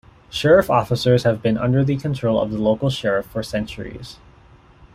Sheriff officers have been under the control of the local Sheriff for centuries.